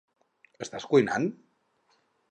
Estàs cuinant?